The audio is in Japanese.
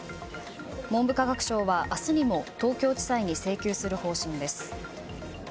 文部科学省は明日にも東京地裁に請求する方針です。